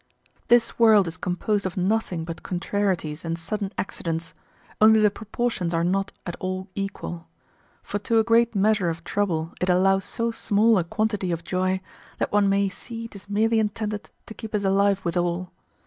This world is composed of nothing but contrarieties and sudden accidents, only the proportions are not at all equal; for to a great measure of trouble it allows so small a quantity of joy, that one may see 'tis merely intended to keep us alive withal.